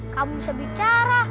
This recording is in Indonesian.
kamu bisa bicara